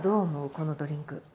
このドリンク